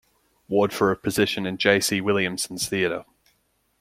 Ward for a position in J. C. Williamson's theatre.